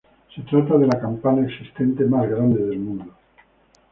Se trata de la campana existente más grande del mundo.